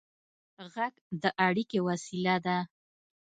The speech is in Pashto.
غږ د اړیکې وسیله ده.